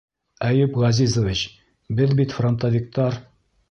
Әйүп Ғәзизович... беҙ бит фронтовиктар.